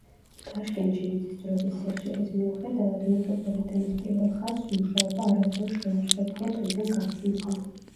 ტაშკენტში მიწისძვრების სიხშირის მიუხედავად, მეტროპოლიტენის პირველ ხაზს მუშაობა არასდროს შეუწყვეტია დღიდან გახსნისა.